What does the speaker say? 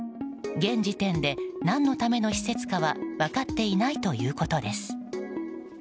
現時点で何のための施設かは分かっていないということです。